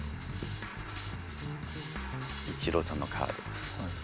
イチローさんのカードです。